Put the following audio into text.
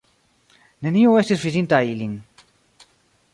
Neniu estis vidinta ilin.